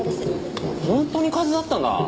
本当に風邪だったんだ？